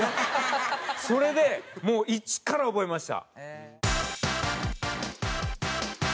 それでもう一から覚えました。